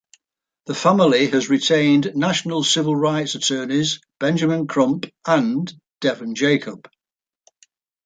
The family has retained national civil rights attorneys Benjamin Crump and Devon Jacob.